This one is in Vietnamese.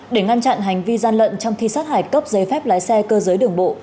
để ngăn chặn hành vi gian lận trong thi sát hải cấp giấy phép lái xe cơ giới đường bộ